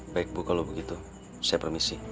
baik bu kalau begitu saya permisi